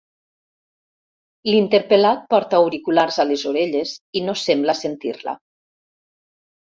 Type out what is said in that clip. L'interpel·lat porta auriculars a les orelles i no sembla sentir-la.